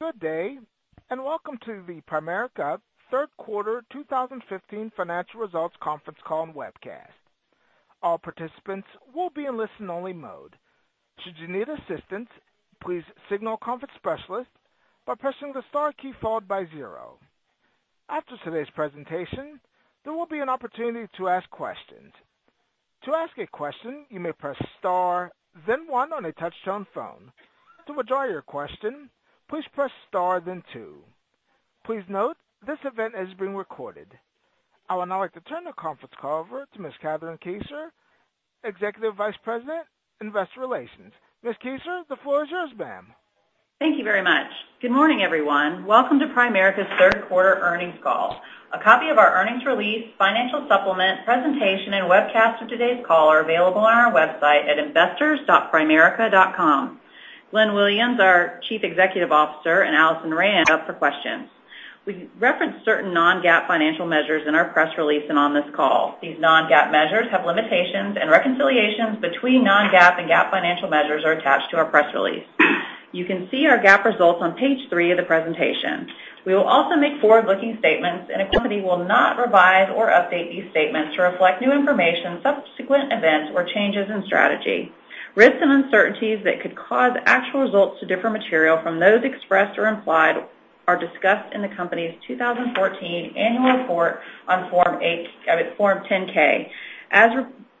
Good day, and welcome to the Primerica Third Quarter 2015 Financial Results Conference Call and Webcast. All participants will be in listen-only mode. Should you need assistance, please signal a conference specialist by pressing the star key followed by zero. After today's presentation, there will be an opportunity to ask questions. To ask a question, you may press star then one on a touch-tone phone. To withdraw your question, please press star then two. Please note this event is being recorded. I would now like to turn the conference call over to Ms. Kathryn Kieser, Executive Vice President, Investor Relations. Ms. Kieser, the floor is yours, ma'am. Thank you very much. Good morning, everyone. Welcome to Primerica's third quarter earnings call. A copy of our earnings release, financial supplement presentation, and webcast of today's call are available on our website at investors.primerica.com. Glenn Williams, our Chief Executive Officer, and Alison Rand up for questions. We reference certain non-GAAP financial measures in our press release and on this call. These non-GAAP measures have limitations, and reconciliations between non-GAAP and GAAP financial measures are attached to our press release. You can see our GAAP results on page three of the presentation. We will also make forward-looking statements, and the company will not revise or update these statements to reflect new information, subsequent events, or changes in strategy. Risks and uncertainties that could cause actual results to differ material from those expressed or implied are discussed in the company's 2014 annual report on form 10-K, as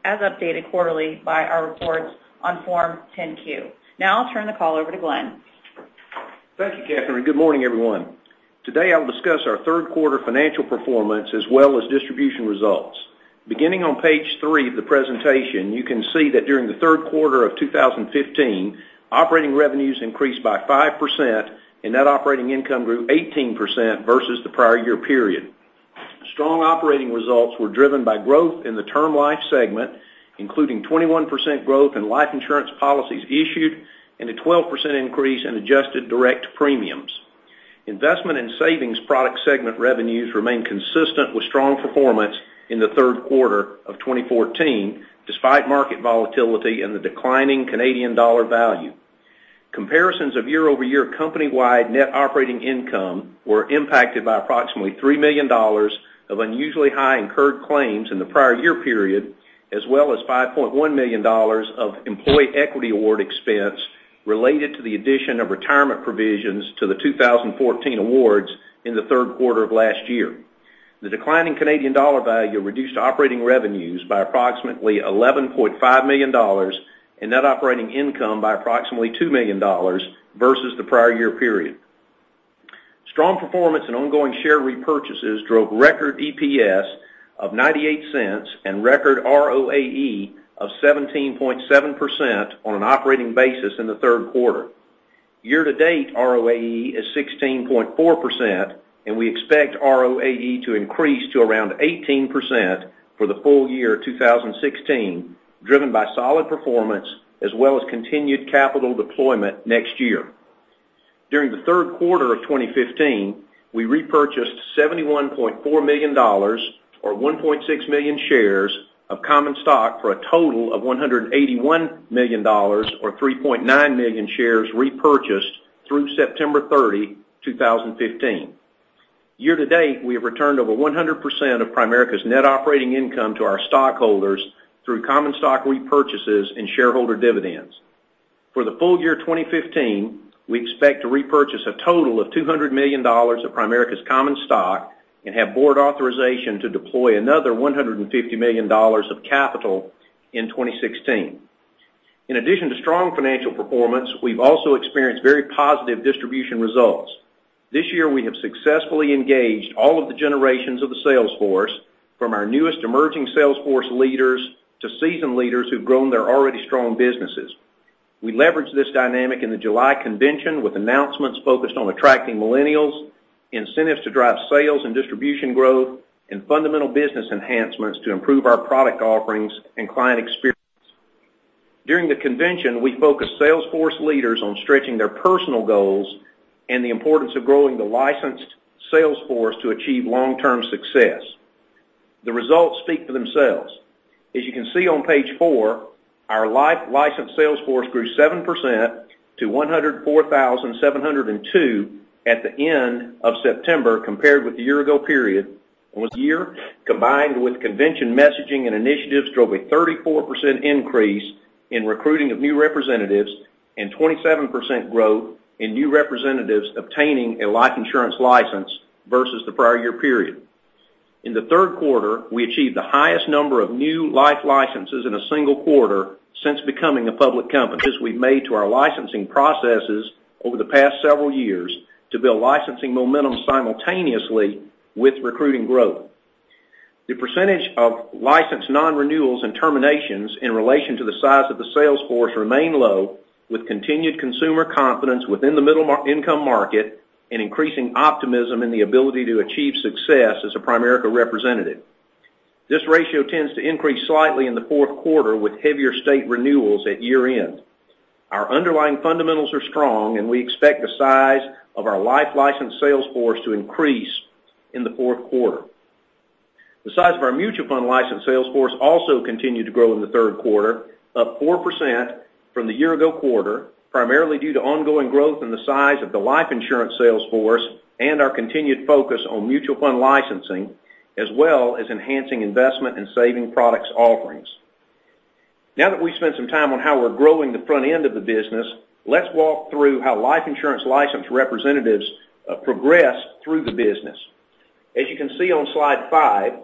updated quarterly by our reports on form 10-Q. Now I'll turn the call over to Glenn. Thank you, Kathryn, and good morning, everyone. Today, I will discuss our third quarter financial performance as well as distribution results. Beginning on page three of the presentation, you can see that during the third quarter of 2015, operating revenues increased by 5%, and net operating income grew 18% versus the prior year period. Strong operating results were driven by growth in the Term Life segment, including 21% growth in life insurance policies issued and a 12% increase in adjusted direct premiums. Investment and savings product segment revenues remained consistent with strong performance in the third quarter of 2014, despite market volatility and the declining Canadian dollar value. Comparisons of year-over-year company-wide net operating income were impacted by approximately $3 million of unusually high incurred claims in the prior year period, as well as $5.1 million of employee equity award expense related to the addition of retirement provisions to the 2014 awards in the third quarter of last year. The declining Canadian dollar value reduced operating revenues by approximately $11.5 million and net operating income by approximately $2 million versus the prior year period. Strong performance and ongoing share repurchases drove record EPS of $0.98 and record ROAE of 17.7% on an operating basis in the third quarter. Year-to-date, ROAE is 16.4%, and we expect ROAE to increase to around 18% for the full year 2016, driven by solid performance as well as continued capital deployment next year. During the third quarter of 2015, we repurchased $71.4 million or 1.6 million shares of common stock for a total of $181 million or 3.9 million shares repurchased through September 30, 2015. Year-to-date, we have returned over 100% of Primerica's net operating income to our stockholders through common stock repurchases and shareholder dividends. For the full year 2015, we expect to repurchase a total of $200 million of Primerica's common stock and have board authorization to deploy another $150 million of capital in 2016. In addition to strong financial performance, we've also experienced very positive distribution results. This year, we have successfully engaged all of the generations of the sales force, from our newest emerging sales force leaders to seasoned leaders who've grown their already strong businesses. We leveraged this dynamic in the July convention with announcements focused on attracting millennials, incentives to drive sales and distribution growth, and fundamental business enhancements to improve our product offerings and client experience. During the convention, we focused sales force leaders on stretching their personal goals and the importance of growing the licensed sales force to achieve long-term success. The results speak for themselves. As you can see on page four, our life license sales force grew 7% to 104,702 at the end of September compared with the year-ago period. Combined with convention messaging and initiatives drove a 34% increase in recruiting of new representatives and 27% growth in new representatives obtaining a life insurance license versus the prior year period. In the third quarter, we achieved the highest number of new life licenses in a single quarter since becoming a public company. This we've made to our licensing processes over the past several years to build licensing momentum simultaneously with recruiting growth. The percentage of licensed non-renewals and terminations in relation to the size of the sales force remain low, with continued consumer confidence within the middle-income market and increasing optimism in the ability to achieve success as a Primerica representative. This ratio tends to increase slightly in the fourth quarter with heavier state renewals at year-end. Our underlying fundamentals are strong, and we expect the size of our life license sales force to increase in the fourth quarter. The size of our mutual fund licensed sales force also continued to grow in the third quarter, up 4% from the year-ago quarter, primarily due to ongoing growth in the size of the life insurance sales force and our continued focus on mutual fund licensing, as well as enhancing investment and savings product offerings. Now that we've spent some time on how we're growing the front end of the business, let's walk through how life insurance licensed representatives progress through the business. As you can see on slide five,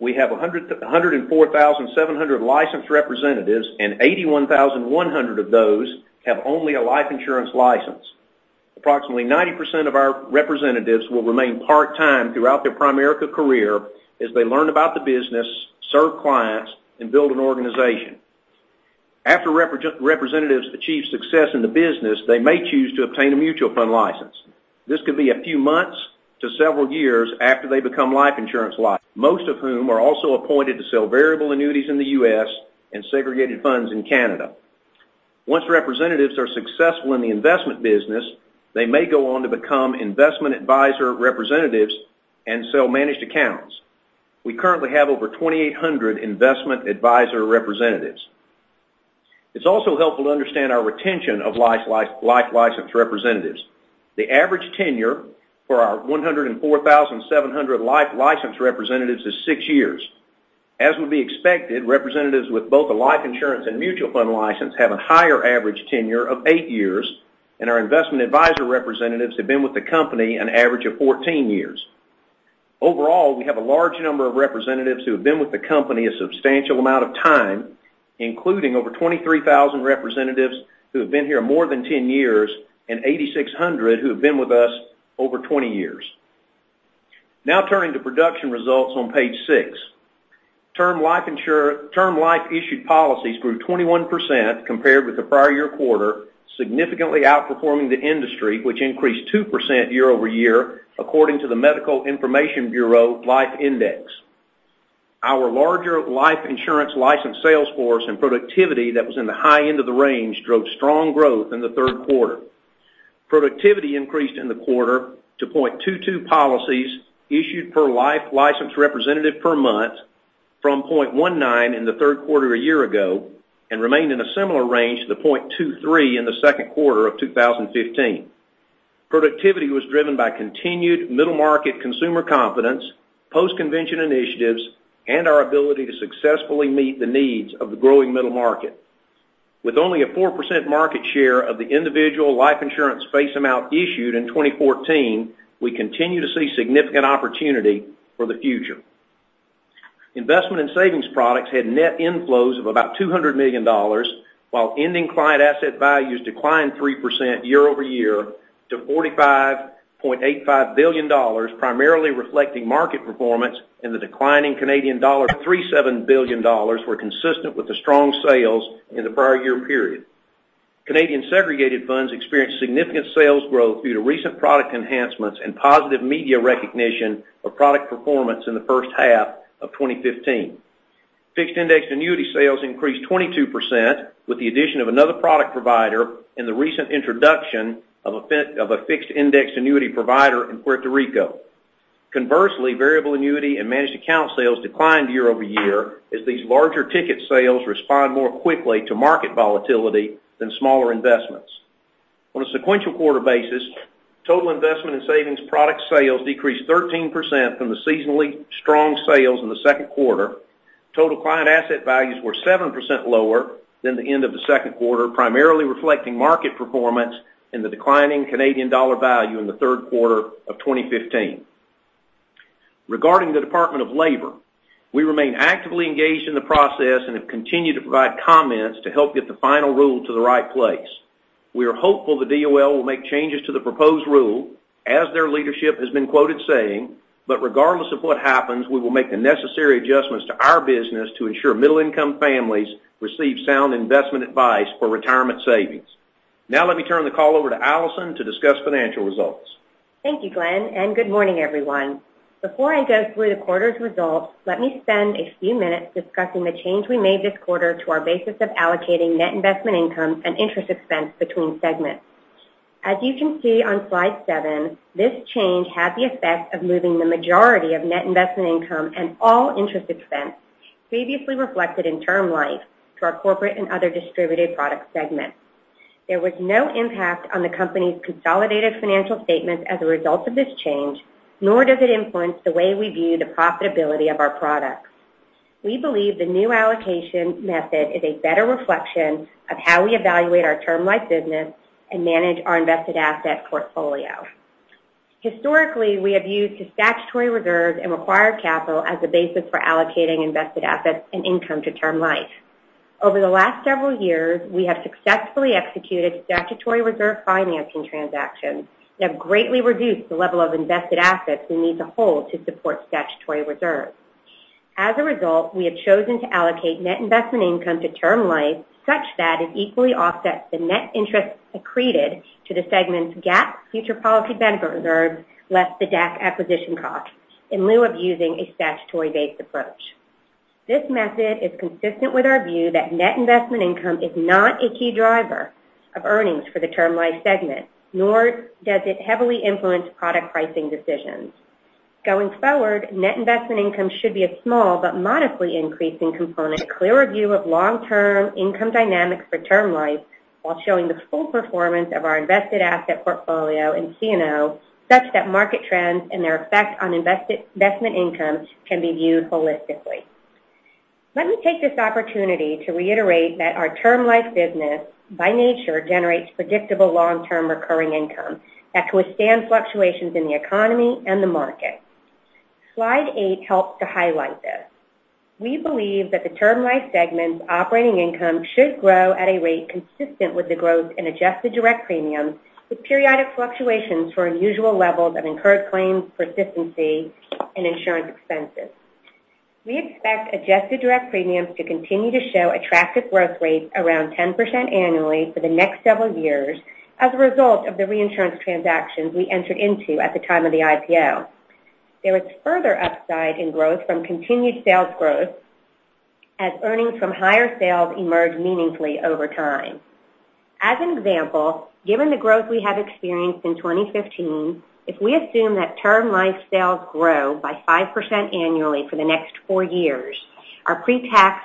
we have 104,700 licensed representatives, and 81,100 of those have only a life insurance license. Approximately 90% of our representatives will remain part-time throughout their Primerica career as they learn about the business, serve clients, and build an organization. After representatives achieve success in the business, they may choose to obtain a mutual fund license. This could be a few months to several years after they become life insurance licensed, most of whom are also appointed to sell Variable Annuities in the U.S. and segregated funds in Canada. Once representatives are successful in the investment business, they may go on to become investment advisor representatives and sell managed accounts. We currently have over 2,800 investment advisor representatives. It's also helpful to understand our retention of life license representatives. The average tenure for our 104,700 life license representatives is six years. As would be expected, representatives with both a life insurance and mutual fund license have a higher average tenure of eight years, and our investment advisor representatives have been with the company an average of 14 years. Overall, we have a large number of representatives who have been with the company a substantial amount of time, including over 23,000 representatives who have been here more than 10 years and 8,600 who have been with us over 20 years. Turning to production results on page six. Term Life issued policies grew 21% compared with the prior year quarter, significantly outperforming the industry, which increased 2% year-over-year according to the Medical Information Bureau Life Index. Our larger life insurance licensed sales force and productivity that was in the high end of the range drove strong growth in the third quarter. Productivity increased in the quarter to 0.22 policies issued per life licensed representative per month from 0.19 in the third quarter a year ago and remained in a similar range to the 0.23 in the second quarter of 2015. Productivity was driven by continued middle market consumer confidence, post-convention initiatives, and our ability to successfully meet the needs of the growing middle market. With only a 4% market share of the individual life insurance face amount issued in 2014, we continue to see significant opportunity for the future. Investment and savings products had net inflows of about $200 million, while ending client asset values declined 3% year-over-year to $45.85 billion, primarily reflecting market performance and the declining Canadian dollar. $3.7 billion were consistent with the strong sales in the prior year period. Canadian segregated funds experienced significant sales growth due to recent product enhancements and positive media recognition of product performance in the first half of 2015. Fixed Indexed Annuity sales increased 22% with the addition of another product provider and the recent introduction of a Fixed Indexed Annuity provider in Puerto Rico. Conversely, Variable Annuity and managed account sales declined year-over-year as these larger ticket sales respond more quickly to market volatility than smaller investments. On a sequential quarter basis, total investment and savings product sales decreased 13% from the seasonally strong sales in the second quarter. Total client asset values were 7% lower than the end of the second quarter, primarily reflecting market performance and the declining Canadian dollar value in the third quarter of 2015. Regarding the Department of Labor, we remain actively engaged in the process and have continued to provide comments to help get the final rule to the right place. We are hopeful the DOL will make changes to the proposed rule, as their leadership has been quoted saying. Regardless of what happens, we will make the necessary adjustments to our business to ensure middle-income families receive sound investment advice for retirement savings. Let me turn the call over to Alison to discuss financial results. Thank you, Glenn, and good morning, everyone. Before I go through the quarter's results, let me spend a few minutes discussing the change we made this quarter to our basis of allocating net investment income and interest expense between segments. As you can see on slide seven, this change had the effect of moving the majority of net investment income and all interest expense previously reflected in Term Life to our Corporate and Other distributed product segments. There was no impact on the company's consolidated financial statements as a result of this change, nor does it influence the way we view the profitability of our products. We believe the new allocation method is a better reflection of how we evaluate our Term Life business and manage our invested asset portfolio. Historically, we have used statutory reserves and required capital as a basis for allocating invested assets and income to Term Life. Over the last several years, we have successfully executed statutory reserve financing transactions that greatly reduced the level of invested assets we need to hold to support statutory reserves. As a result, we have chosen to allocate net investment income to Term Life such that it equally offsets the net interest accreted to the segment's GAAP future policy benefit reserves less the DAC acquisition cost in lieu of using a statutory-based approach. This method is consistent with our view that net investment income is not a key driver of earnings for the Term Life segment, nor does it heavily influence product pricing decisions. Going forward, net investment income should be a small but modestly increasing component, a clearer view of long-term income dynamics for Term Life while showing the full performance of our invested asset portfolio in C&O such that market trends and their effect on investment income can be viewed holistically. Let me take this opportunity to reiterate that our Term Life business, by nature, generates predictable long-term recurring income that withstand fluctuations in the economy and the market. Slide eight helps to highlight this. We believe that the Term Life segment's operating income should grow at a rate consistent with the growth in adjusted direct premiums, with periodic fluctuations for unusual levels of incurred claims, persistency, and insurance expenses. We expect adjusted direct premiums to continue to show attractive growth rates around 10% annually for the next several years as a result of the reinsurance transactions we entered into at the time of the IPO. There is further upside in growth from continued sales growth as earnings from higher sales emerge meaningfully over time. As an example, given the growth we have experienced in 2015, if we assume that Term Life sales grow by 5% annually for the next four years, our pre-tax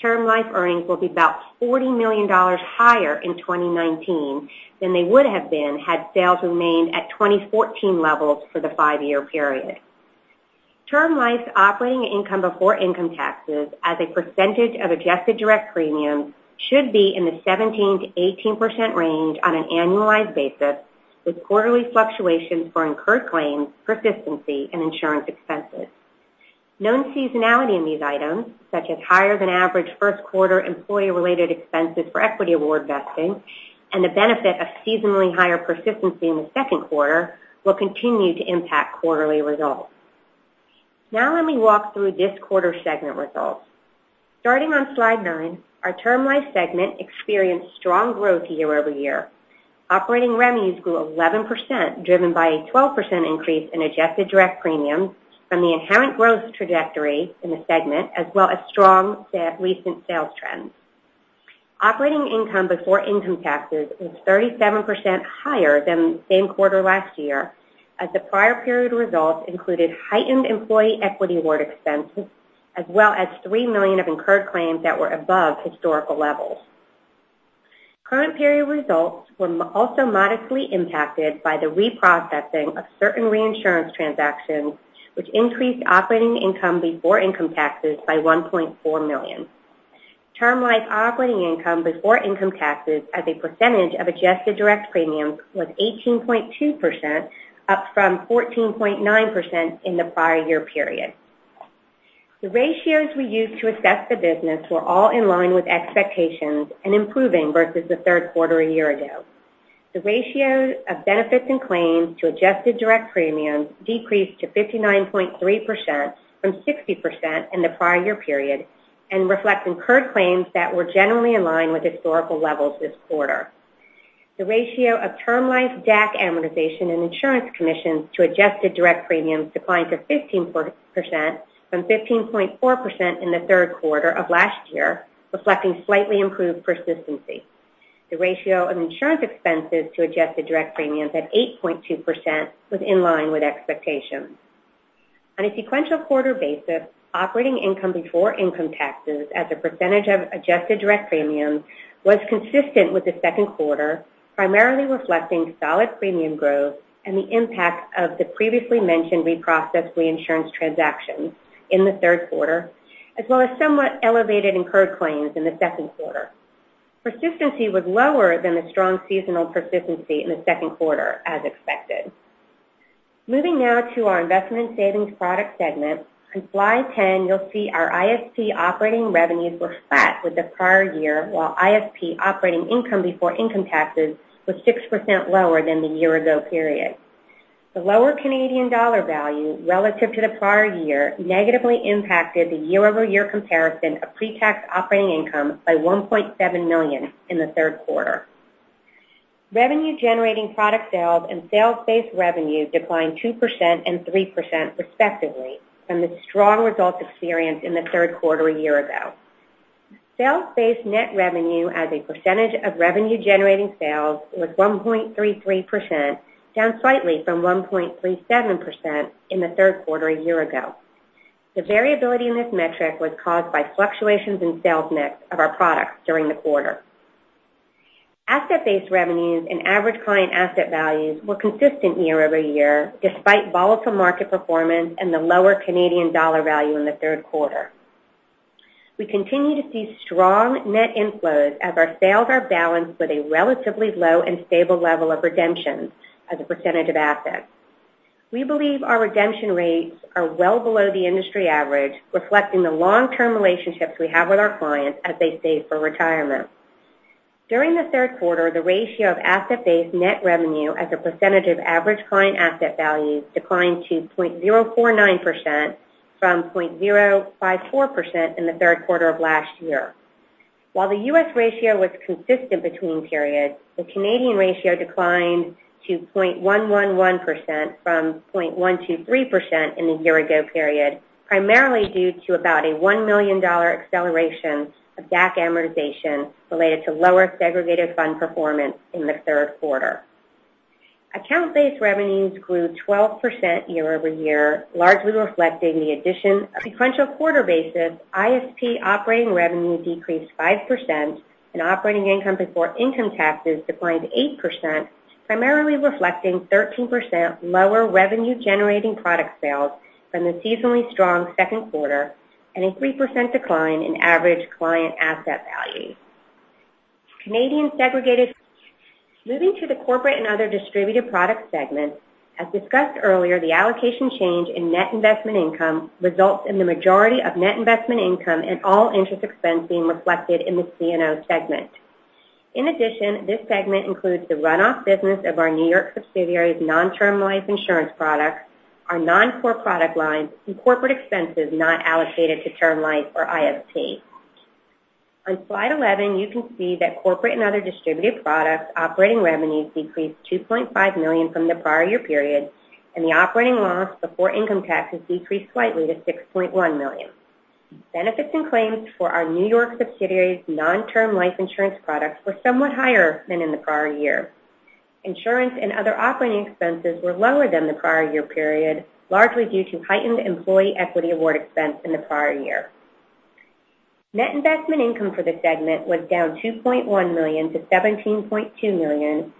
Term Life earnings will be about $40 million higher in 2019 than they would have been had sales remained at 2014 levels for the five-year period. Term Life's operating income before income taxes as a percentage of adjusted direct premiums should be in the 17%-18% range on an annualized basis, with quarterly fluctuations for incurred claims, persistency, and insurance expenses. Known seasonality in these items, such as higher than average first quarter employee-related expenses for equity award vesting and the benefit of seasonally higher persistency in the second quarter, will continue to impact quarterly results. Let me walk through this quarter's segment results. Starting on slide nine, our Term Life segment experienced strong growth year-over-year. Operating revenues grew 11%, driven by a 12% increase in adjusted direct premiums from the inherent growth trajectory in the segment, as well as strong recent sales trends. Operating income before income taxes was 37% higher than the same quarter last year, as the prior period results included heightened employee equity award expenses, as well as $3 million of incurred claims that were above historical levels. Current period results were also modestly impacted by the reprocessing of certain reinsurance transactions, which increased operating income before income taxes by $1.4 million. Term Life operating income before income taxes as a percentage of adjusted direct premiums was 18.2%, up from 14.9% in the prior year period. The ratios we use to assess the business were all in line with expectations and improving versus the third quarter a year-ago. The ratio of benefits and claims to adjusted direct premiums decreased to 59.3% from 60% in the prior year period and reflect incurred claims that were generally in line with historical levels this quarter. The ratio of Term Life DAC amortization and insurance commissions to adjusted direct premiums declined to 15% from 15.4% in the third quarter of last year, reflecting slightly improved persistency. The ratio of insurance expenses to adjusted direct premiums at 8.2% was in line with expectations. On a sequential quarter basis, operating income before income taxes as a percentage of adjusted direct premiums was consistent with the second quarter, primarily reflecting solid premium growth and the impact of the previously mentioned reprocessed reinsurance transactions in the third quarter, as well as somewhat elevated incurred claims in the second quarter. Persistency was lower than the strong seasonal persistency in the second quarter as expected. Moving now to our Investment Savings Products segment. On slide 10, you'll see our ISP operating revenues were flat with the prior year, while ISP operating income before income taxes was 6% lower than the year-ago period. The lower Canadian dollar value relative to the prior year negatively impacted the year-over-year comparison of pre-tax operating income by $1.7 million in the third quarter. Revenue-generating product sales and sales-based revenue declined 2% and 3% respectively from the strong results experienced in the third quarter a year ago. Sales-based net revenue as a percentage of revenue-generating sales was 1.33%, down slightly from 1.37% in the third quarter a year ago. The variability in this metric was caused by fluctuations in sales mix of our products during the quarter. Asset-based revenues and average client asset values were consistent year-over-year, despite volatile market performance and the lower Canadian dollar value in the third quarter. We continue to see strong net inflows as our sales are balanced with a relatively low and stable level of redemptions as a percentage of assets. We believe our redemption rates are well below the industry average, reflecting the long-term relationships we have with our clients as they save for retirement. During the third quarter, the ratio of asset-based net revenue as a percentage of average client asset values declined to 0.049% from 0.054% in the third quarter of last year. While the U.S. ratio was consistent between periods, the Canadian ratio declined to 0.111% from 0.123% in the year-ago period, primarily due to about a $1 million acceleration of DAC amortization related to lower segregated fund performance in the third quarter. Account-based revenues grew 12% year-over-year, largely reflecting the addition. On a sequential quarter basis, ISP operating revenue decreased 5%, and operating income before income taxes declined 8%, primarily reflecting 13% lower revenue generating product sales from the seasonally strong second quarter, and a 3% decline in average client asset value. Canadian segregated. Moving to the Corporate and Other Distributed Products segment. As discussed earlier, the allocation change in net investment income results in the majority of net investment income and all interest expense being reflected in the C&O segment. In addition, this segment includes the run-off business of our New York subsidiary's non-Term Life insurance products, our non-core product lines, and corporate expenses not allocated to Term Life or ISP. On slide 11, you can see that Corporate and Other Distributed Products operating revenues decreased $2.5 million from the prior year period, and the operating loss before income taxes decreased slightly to $6.1 million. Benefits and claims for our New York subsidiary's non-Term Life insurance products were somewhat higher than in the prior year. Insurance and other operating expenses were lower than the prior year period, largely due to heightened employee equity award expense in the prior year. Net investment income for the segment was down $2.1 million to $17.2 million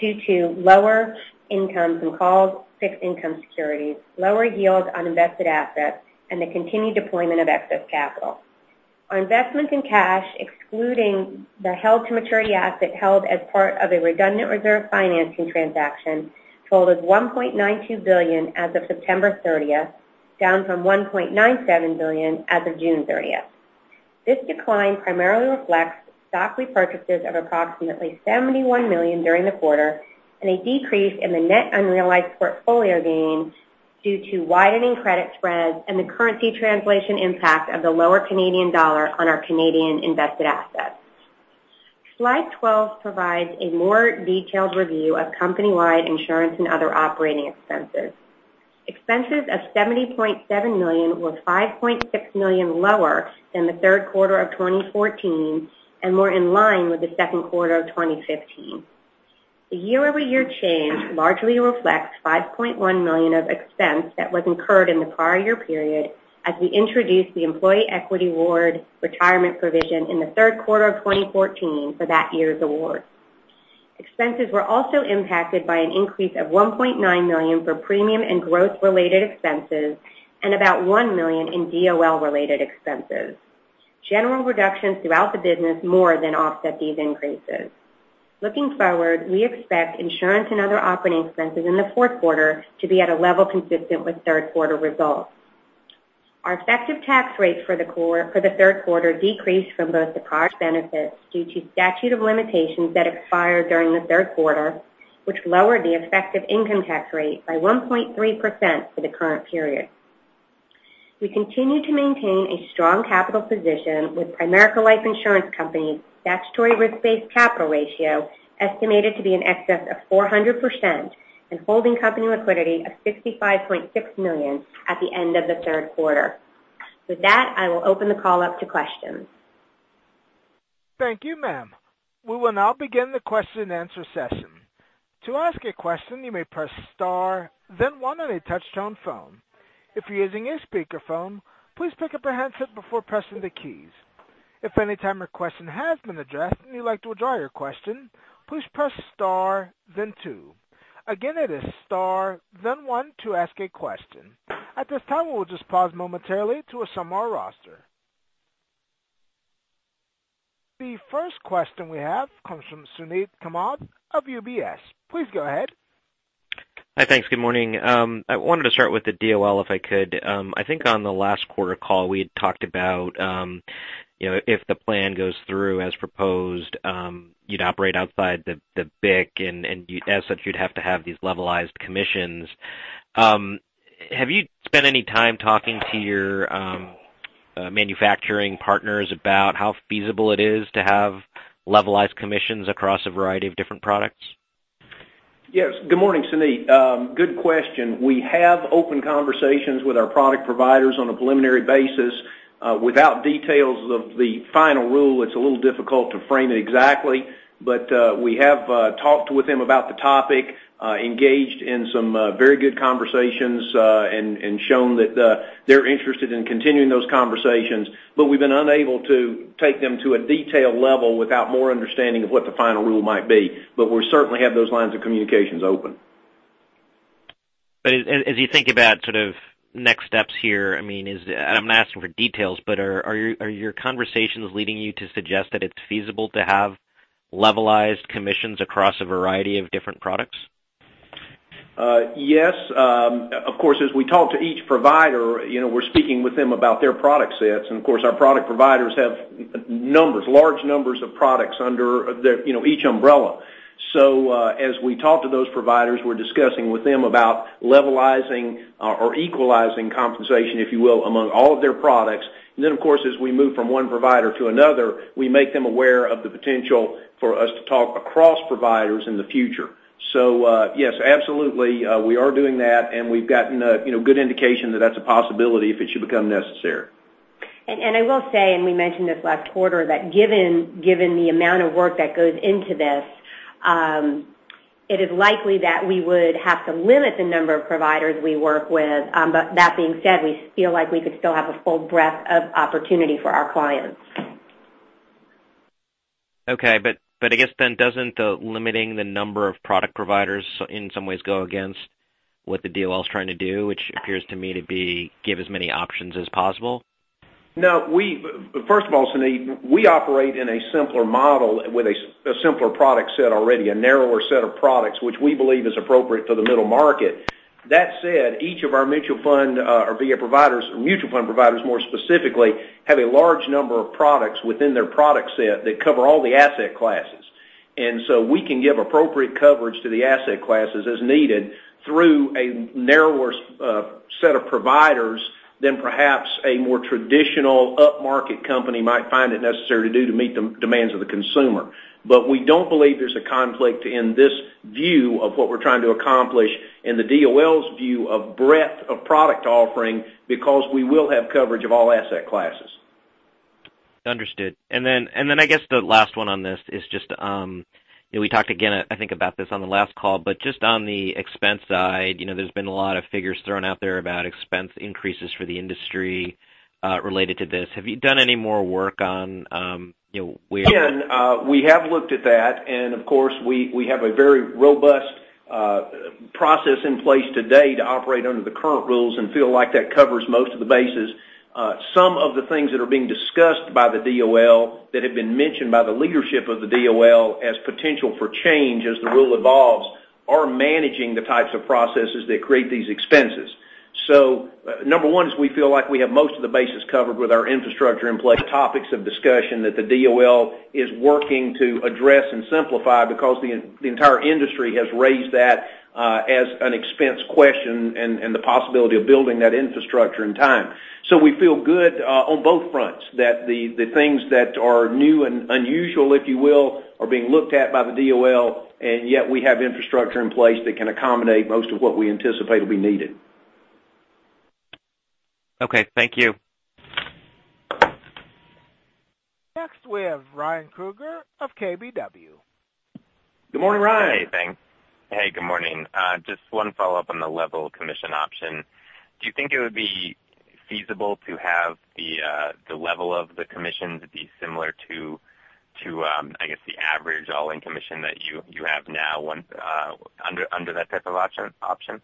due to lower incomes and calls, fixed income securities, lower yields on invested assets, and the continued deployment of excess capital. Our investments in cash, excluding the held-to-maturity asset held as part of a redundant reserve financing transaction, totaled $1.92 billion as of September 30th, down from $1.97 billion as of June 30th. This decline primarily reflects stock repurchases of approximately $71 million during the quarter, and a decrease in the net unrealized portfolio gains due to widening credit spreads and the currency translation impact of the lower Canadian dollar on our Canadian invested assets. Slide 12 provides a more detailed review of company-wide insurance and other operating expenses. Expenses of $70.7 million were $5.6 million lower than the third quarter of 2014, and more in line with the second quarter of 2015. The year-over-year change largely reflects $5.1 million of expense that was incurred in the prior year period, as we introduced the employee equity award retirement provision in the third quarter of 2014 for that year's award. Expenses were also impacted by an increase of $1.9 million for premium and growth related expenses, and about $1 million in DOL related expenses. General reductions throughout the business more than offset these increases. Looking forward, we expect insurance and other operating expenses in the fourth quarter to be at a level consistent with third quarter results. Our effective tax rate for the third quarter decreased from both the prior benefits due to statute of limitations that expired during the third quarter, which lowered the effective income tax rate by 1.3% for the current period. We continue to maintain a strong capital position with Primerica Life Insurance Company statutory risk-based capital ratio estimated to be in excess of 400%, and holding company liquidity of $65.6 million at the end of the third quarter. With that, I will open the call up to questions. Thank you, ma'am. We will now begin the question and answer session. To ask a question, you may press star then one on a touchtone phone. If you're using a speakerphone, please pick up a handset before pressing the keys. If at any time your question has been addressed and you'd like to withdraw your question, please press star then two. Again, it is star then one to ask a question. At this time, we'll just pause momentarily to assemble our roster. The first question we have comes from Suneet Kamath of UBS. Please go ahead. Hi. Thanks. Good morning. I wanted to start with the DOL if I could. I think on the last quarter call we had talked about if the plan goes through as proposed, you'd operate outside the BIC, and as such, you'd have to have these levelized commissions. Have you spent any time talking to your manufacturing partners about how feasible it is to have levelized commissions across a variety of different products? Yes. Good morning, Suneet. Good question. We have open conversations with our product providers on a preliminary basis. Without details of the final rule, it's a little difficult to frame it exactly, but we have talked with them about the topic, engaged in some very good conversations, and shown that they're interested in continuing those conversations. We've been unable to take them to a detailed level without more understanding of what the final rule might be. We certainly have those lines of communications open. As you think about next steps here, I'm not asking for details, but are your conversations leading you to suggest that it's feasible to have levelized commissions across a variety of different products? Yes. Of course, as we talk to each provider, we're speaking with them about their product sets. Of course, our product providers have large numbers of products under each umbrella. As we talk to those providers, we're discussing with them about levelizing or equalizing compensation, if you will, among all of their products. Then, of course, as we move from one provider to another, we make them aware of the potential for us to talk across providers in the future. Yes, absolutely, we are doing that, and we've gotten a good indication that that's a possibility if it should become necessary. I will say, we mentioned this last quarter, that given the amount of work that goes into this, it is likely that we would have to limit the number of providers we work with. That being said, we feel like we could still have a full breadth of opportunity for our clients. I guess doesn't limiting the number of product providers in some ways go against what the DOL is trying to do, which appears to me to be give as many options as possible? No. First of all, Suneet, we operate in a simpler model with a simpler product set already, a narrower set of products, which we believe is appropriate for the middle market. That said, each of our mutual fund providers, more specifically, have a large number of products within their product set that cover all the asset classes. So we can give appropriate coverage to the asset classes as needed through a narrower set of providers than perhaps a more traditional upmarket company might find it necessary to do to meet the demands of the consumer. We don't believe there's a conflict in this view of what we're trying to accomplish in the DOL's view of breadth of product offering, because we will have coverage of all asset classes. Understood. I guess the last one on this is just, we talked again, I think about this on the last call, just on the expense side, there's been a lot of figures thrown out there about expense increases for the industry related to this. We have looked at that, of course, we have a very robust process in place today to operate under the current rules and feel like that covers most of the bases. Some of the things that are being discussed by the DOL that have been mentioned by the leadership of the DOL as potential for change as the rule evolves are managing the types of processes that create these expenses. Number 1 is we feel like we have most of the bases covered with our infrastructure in place. Topics of discussion that the DOL is working to address and simplify because the entire industry has raised that as an expense question and the possibility of building that infrastructure in time. We feel good on both fronts that the things that are new and unusual, if you will, are being looked at by the DOL, yet we have infrastructure in place that can accommodate most of what we anticipate will be needed. Okay. Thank you. Next, we have Ryan Krueger of KBW. Good morning, Ryan. Hey, thanks. Hey, good morning. Just one follow-up on the level commission option. Do you think it would be feasible to have the level of the commission to be similar to, I guess, the average all-in commission that you have now under that type of option?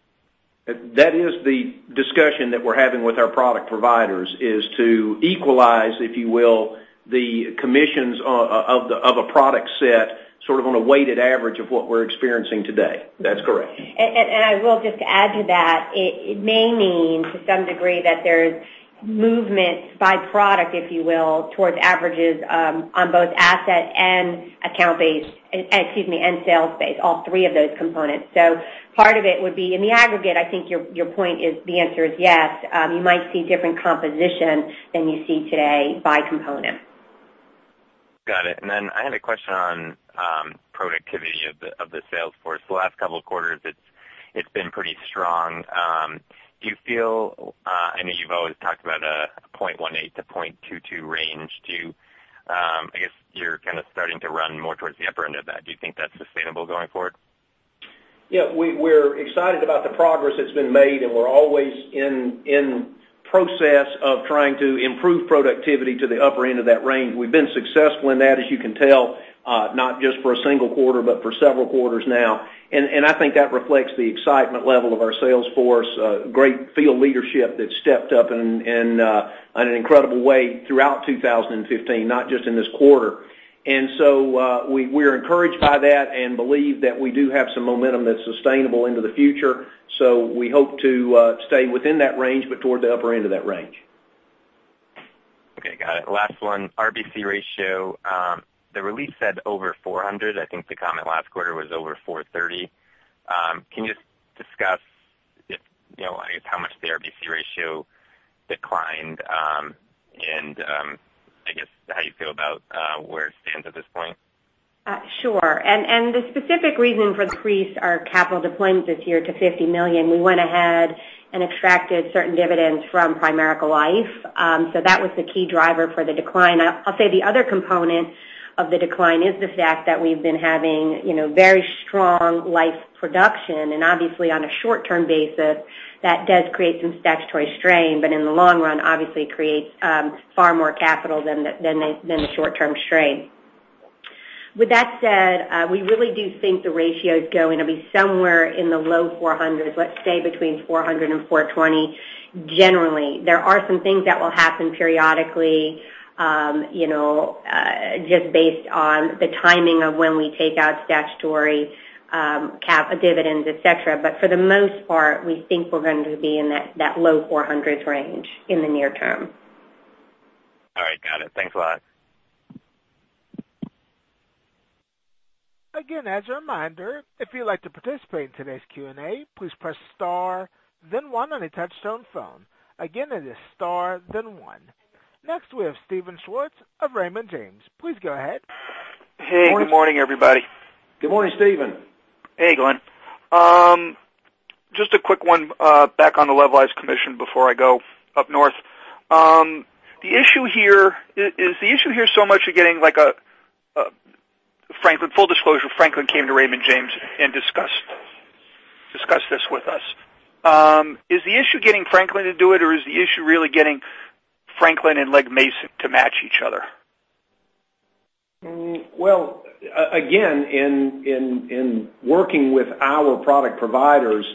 That is the discussion that we're having with our product providers, is to equalize, if you will, the commissions of a product set sort of on a weighted average of what we're experiencing today. That's correct. I will just add to that. It may mean to some degree that there's movement by product, if you will, towards averages on both asset and sales-based, all three of those components. Part of it would be in the aggregate, I think your point is the answer is yes, you might see different composition than you see today by component. Got it. I had a question on productivity of the sales force. The last couple of quarters it's been pretty strong. I know you've always talked about a 0.18-0.22 range. I guess you're kind of starting to run more towards the upper end of that. Do you think that's sustainable going forward? Yeah, we're excited about the progress that's been made, we're always in process of trying to improve productivity to the upper end of that range. We've been successful in that, as you can tell, not just for a single quarter, but for several quarters now. I think that reflects the excitement level of our sales force, great field leadership that stepped up in an incredible way throughout 2015, not just in this quarter. We're encouraged by that and believe that we do have some momentum that's sustainable into the future. We hope to stay within that range, but toward the upper end of that range. Okay, got it. Last one. RBC ratio, the release said over 400. I think the comment last quarter was over 430. Can you just discuss how much the RBC ratio declined and I guess, how you feel about where it stands at this point? Sure. The specific reason for the crease, our capital deployment this year to $50 million, we went ahead and extracted certain dividends from Primerica Life. That was the key driver for the decline. I'll say the other component of the decline is the fact that we've been having very strong life production, obviously on a short-term basis, that does create some statutory strain, but in the long run, obviously creates far more capital than the short-term strain. With that said, we really do think the ratio is going to be somewhere in the low 400s, let's say between 400-420. Generally, there are some things that will happen periodically just based on the timing of when we take out statutory dividends, et cetera. For the most part, we think we're going to be in that low 400s range in the near term. Thanks a lot. Again, as a reminder, if you'd like to participate in today's Q&A, please press star then one on a touchtone phone. Again, it is star then one. Next, we have Steven Schwartz of Raymond James. Please go ahead. Hey, good morning, everybody. Good morning, Steven. Hey, Glenn. Just a quick one back on the levelized commission before I go up north. Is the issue here so much you're getting Franklin, full disclosure, Franklin came to Raymond James and discussed this with us. Is the issue getting Franklin to do it, or is the issue really getting Franklin and Legg Mason to match each other? Well, again, in working with our product providers,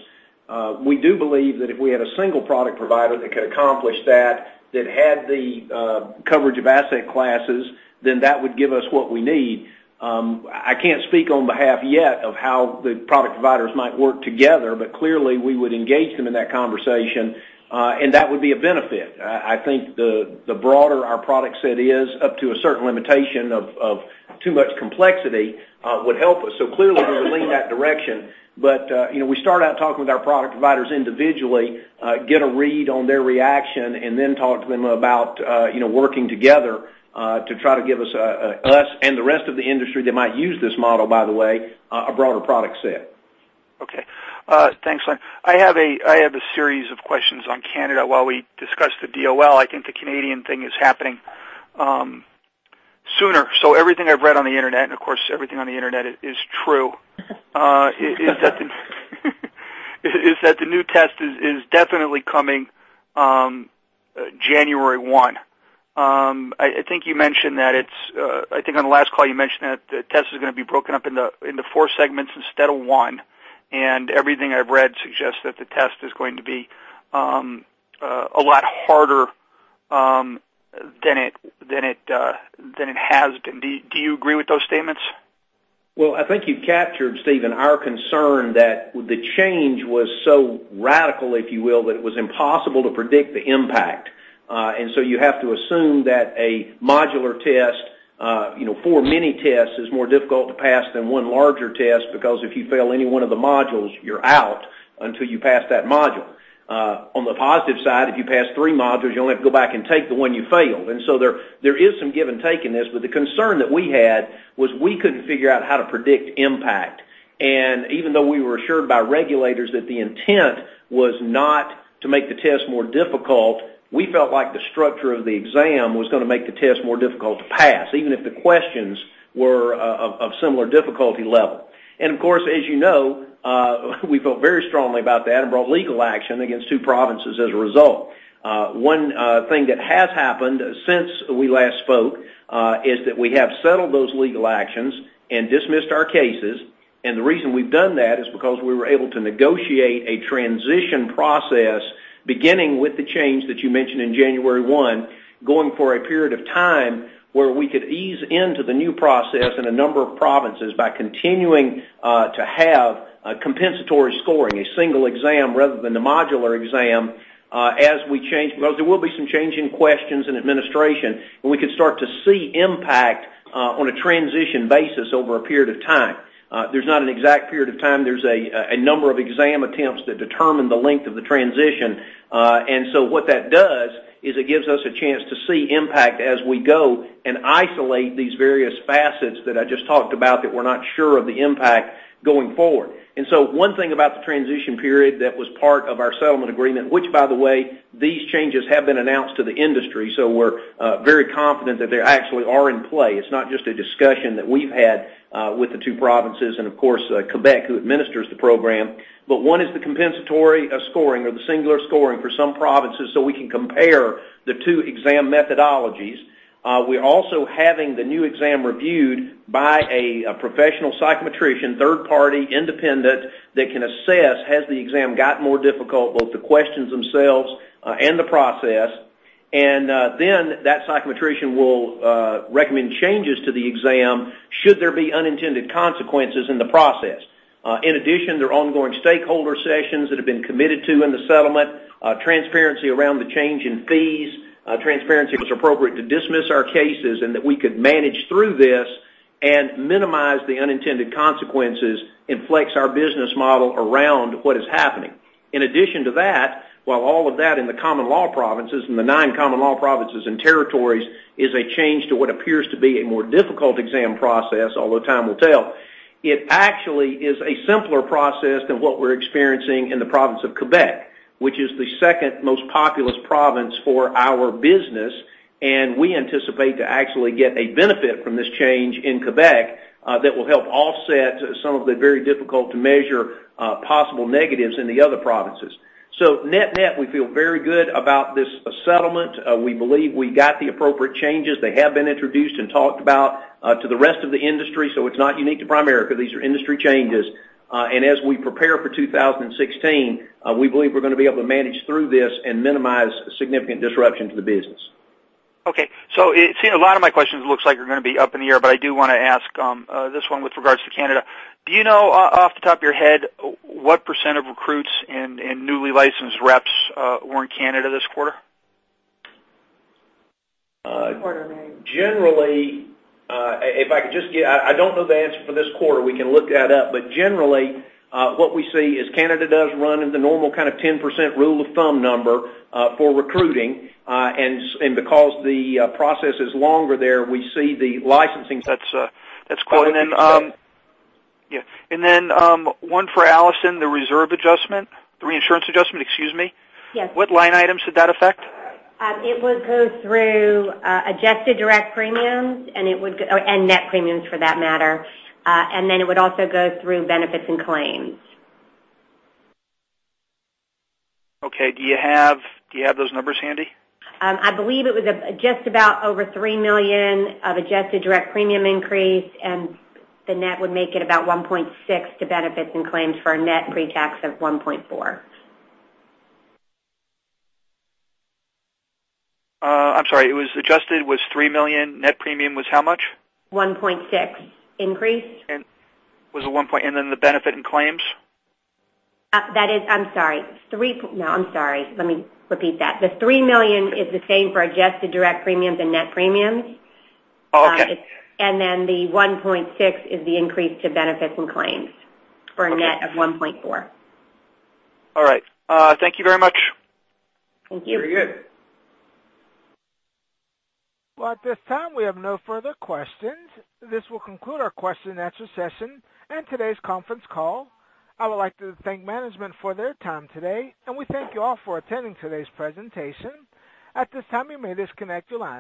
we do believe that if we had a single product provider that could accomplish that had the coverage of asset classes, that would give us what we need. I can't speak on behalf yet of how the product providers might work together, clearly we would engage them in that conversation, that would be a benefit. I think the broader our product set is, up to a certain limitation of too much complexity, would help us. Clearly we would lean in that direction. We start out talking with our product providers individually, get a read on their reaction, talk to them about working together, to try to give us and the rest of the industry that might use this model, by the way, a broader product set. Okay. Thanks, Glenn. I have a series of questions on Canada. While we discussed the DOL, I think the Canadian thing is happening sooner. Everything I've read on the internet, and of course everything on the internet is true. Is that the new test is definitely coming January 1. I think on the last call you mentioned that the test is going to be broken up into four segments instead of one, everything I've read suggests that the test is going to be a lot harder than it has been. Do you agree with those statements? Well, I think you've captured, Steven, our concern that the change was so radical, if you will, that it was impossible to predict the impact. You have to assume that a modular test, four mini tests, is more difficult to pass than one larger test because if you fail any one of the modules, you're out until you pass that module. On the positive side, if you pass three modules, you only have to go back and take the one you failed. There is some give and take in this, the concern that we had was we couldn't figure out how to predict impact. Even though we were assured by regulators that the intent was not to make the test more difficult, we felt like the structure of the exam was going to make the test more difficult to pass, even if the questions were of similar difficulty level. Of course, as you know, we felt very strongly about that and brought legal action against two provinces as a result. One thing that has happened since we last spoke, is that we have settled those legal actions and dismissed our cases. The reason we've done that is because we were able to negotiate a transition process, beginning with the change that you mentioned in January 1, going for a period of time where we could ease into the new process in a number of provinces by continuing to have compensatory scoring, a single exam rather than the modular exam, as we change, because there will be some change in questions and administration, and we can start to see impact on a transition basis over a period of time. There's not an exact period of time. There's a number of exam attempts that determine the length of the transition. What that does is it gives us a chance to see impact as we go and isolate these various facets that I just talked about that we're not sure of the impact going forward. One thing about the transition period that was part of our settlement agreement, which by the way, these changes have been announced to the industry, so we're very confident that they actually are in play. It's not just a discussion that we've had with the two provinces and of course, Quebec, who administers the program. One is the compensatory scoring or the singular scoring for some provinces so we can compare the two exam methodologies. We're also having the new exam reviewed by a professional psychometrician, third party, independent, that can assess has the exam gotten more difficult, both the questions themselves and the process. Then that psychometrician will recommend changes to the exam should there be unintended consequences in the process. In addition, there are ongoing stakeholder sessions that have been committed to in the settlement, transparency around the change in fees, transparency was appropriate to dismiss our cases and that we could manage through this and minimize the unintended consequences and flex our business model around what is happening. In addition to that, while all of that in the common law provinces, in the nine common law provinces and territories, is a change to what appears to be a more difficult exam process, although time will tell, it actually is a simpler process than what we're experiencing in the province of Quebec, which is the second most populous province for our business, and we anticipate to actually get a benefit from this change in Quebec, that will help offset some of the very difficult to measure possible negatives in the other provinces. Net-net, we feel very good about this settlement. We believe we got the appropriate changes. They have been introduced and talked about to the rest of the industry, so it's not unique to Primerica. These are industry changes. As we prepare for 2016, we believe we're going to be able to manage through this and minimize significant disruption to the business. Okay. It seems a lot of my questions looks like are going to be up in the air, I do want to ask this one with regards to Canada. Do you know, off the top of your head, what % of recruits and newly licensed reps were in Canada this quarter? Generally, I don't know the answer for this quarter. We can look that up. Generally, what we see is Canada does run in the normal kind of 10% rule of thumb number for recruiting. Because the process is longer there, we see the licensing- That's quite-- Then one for Alison, the reserve adjustment. The reinsurance adjustment, excuse me. Yes. What line items did that affect? It would go through adjusted direct premiums and net premiums for that matter. Then it would also go through benefits and claims. Okay. Do you have those numbers handy? I believe it was just about over $3 million of adjusted direct premium increase, the net would make it about $1.6 to benefits and claims for a net pretax of $1.4. I'm sorry. It was adjusted was $3 million. Net premium was how much? $1.6 increase. Then the benefit and claims? I'm sorry. Let me repeat that. The $3 million is the same for adjusted direct premiums and net premiums. Okay. The $1.6 is the increase to benefits and claims for a net of $1.4. All right. Thank you very much. Thank you. Very good. Well, at this time, we have no further questions. This will conclude our question and answer session and today's conference call. I would like to thank management for their time today, and we thank you all for attending today's presentation. At this time, you may disconnect your lines.